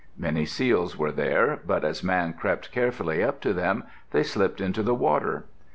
Many seals were there, but as Man crept carefully up to them, they slipped into the water.